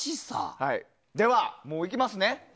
では、いきますね。